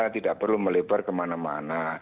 tidak perlu melebar kemana mana